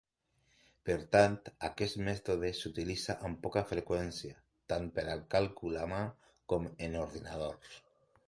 Per tant, aquest mètode s'utilitza amb poca freqüència, tant per a càlcul a mà com en ordinadors.